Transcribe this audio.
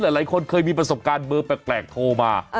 หลายคนเคยมีประสบการณ์เบอร์แปลกโทรมา